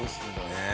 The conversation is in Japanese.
ねえ。